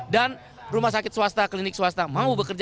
dan rumah sakit swasta klinik swasta mau bekerja